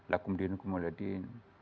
lakum dinukum wala din